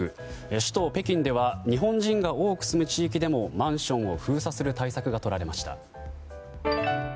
首都・北京では日本人が多く住む地域でもマンションを封鎖する対策がとられました。